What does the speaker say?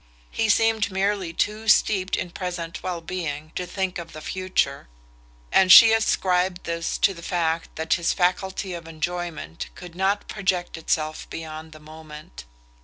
He seemed merely too steeped in present well being to think of the future, and she ascribed this to the fact that his faculty of enjoyment could not project itself beyond the moment.